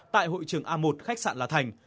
tại hội trường a một khách sạn la thành